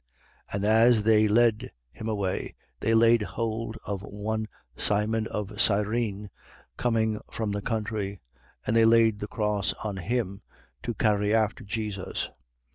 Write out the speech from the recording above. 23:26. And as they led him away, they laid hold of one Simon of Cyrene, coming from the country; and they laid the cross on him to carry after Jesus.